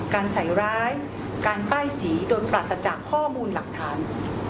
การใส่ร้ายการป้ายสีโดนปราศจากข้อมูลหลักฐาน